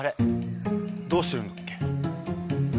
どうしてるんだっけ？